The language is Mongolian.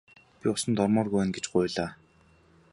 Би усанд ормооргүй байна гэж гуйлаа.